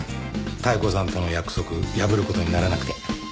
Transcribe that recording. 妙子さんとの約束破る事にならなくて。